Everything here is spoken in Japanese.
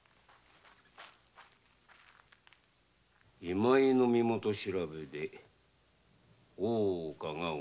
今井の身元調べで大岡が動き出した。